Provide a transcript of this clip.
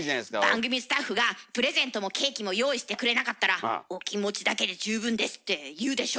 番組スタッフがプレゼントもケーキも用意してくれなかったら「お気持ちだけで十分です」って言うでしょ？